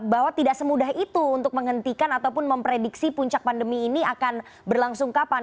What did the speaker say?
bahwa tidak semudah itu untuk menghentikan ataupun memprediksi puncak pandemi ini akan berlangsung kapan